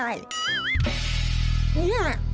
เนี่ย